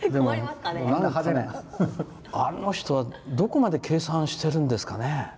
あの人は、どこまで計算してるんですかね。